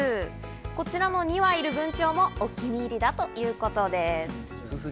こちらの２羽いる文鳥もお気に入りだということです。